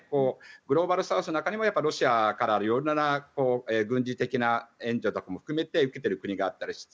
グローバルサウスの中にもロシアから色んな軍事的な援助とかも含めて受けている国があったりする。